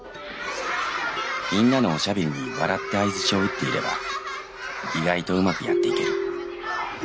みんなのおしゃべりに笑って相づちを打っていれば意外とうまくやっていける。